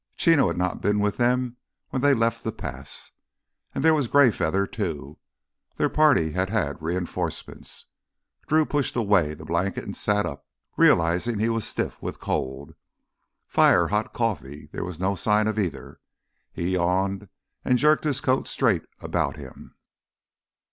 Chino had not been with them when they left the pass. And there was Greyfeather, too. Their party had had reinforcements. Drew pushed away the blanket and sat up, realizing he was stiff with cold. Fire ... hot coffee ... there was no sign of either. He yawned and jerked his coat straight about him.